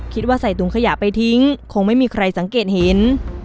ใส่ถุงขยะไปทิ้งคงไม่มีใครสังเกตเห็น